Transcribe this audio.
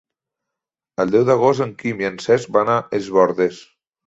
El deu d'agost en Quim i en Cesc van a Es Bòrdes.